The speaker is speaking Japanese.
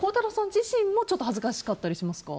自身もちょっと恥ずかしかったりしますか？